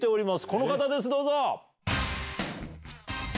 この方ですどうぞ。